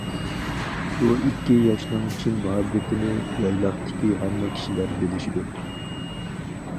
بۇ ئىككى ياشنىڭ چىن مۇھەببىتىنى يايلاقتىكى ھەممە كىشىلەر بىلىشىدۇ.